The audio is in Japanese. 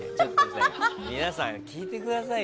皆さん、聞いてください。